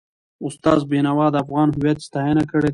استاد بینوا د افغان هویت ستاینه کړې ده.